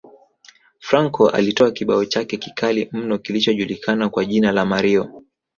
Franco alitoa kibao chake kikali mno kilichojulikana kwa jina la Mario